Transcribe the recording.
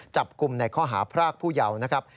จับกลุ่มในข้อหาพรากผู้เยาว์นะครับ